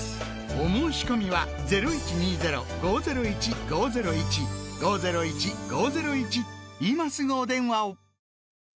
お申込みは今すぐお電話を！